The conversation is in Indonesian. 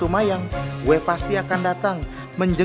buat apa apa aja